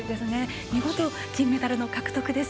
見事金メダル獲得です。